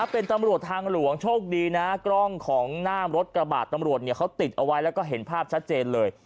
เป็นตำรวจทางหลวงโชคดีนะกล้องของหน้ารถกระบาดตำรวจเขาติดเอาไว้แล้วก็เห็นภาพชัดเจนเลย